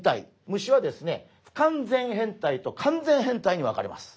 虫はですね不完全変態と完全変態に分かれます。